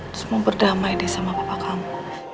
terus mau berdamai deh sama bapak kamu